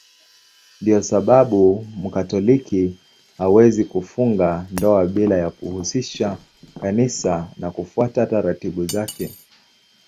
Ndiyo sababu Mkatoliki hawezi kufunga ndoa bila ya kuhusisha Kanisa na kufuata taratibu zake.